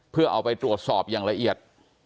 เพื่อเอาไปตรวจสอบอย่างละเอียด